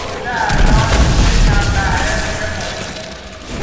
پول ارزان، پول کم بهره، پول مفت